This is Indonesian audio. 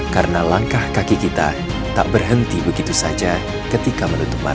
karena langkah kaki kita tak berhenti begitu saja ketika menutup mata